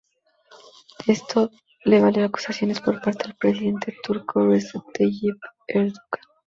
Esto le valió acusaciones por parte del presidente turco Recep Tayyip Erdoğan.